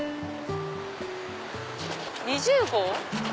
２０号。